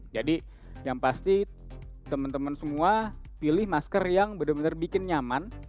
jadi yang pasti teman teman semua pilih masker yang benar benar bikin nyaman